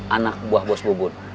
anak buah bos bubun